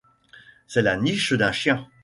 C’était la niche d’un chien.